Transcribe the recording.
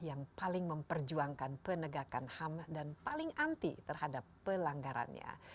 yang paling memperjuangkan penegakan ham dan paling anti terhadap pelanggarannya